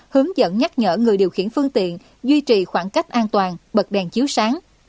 hướng dẫn nhắc nhở người điều khiển phương tiện duy trì khoảng cách an toàn bật đèn chiếu sáng